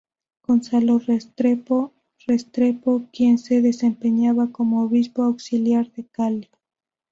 Gonzalo Restrepo Restrepo quien se desempeñaba como Obispo Auxiliar de Cali.